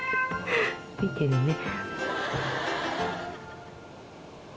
見てるね。